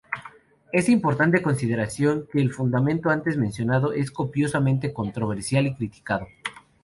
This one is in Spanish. Es de importante consideración, que el fundamento antes mencionado es copiosamente controversial y criticado.